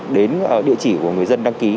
đến địa chỉ của người dân đăng ký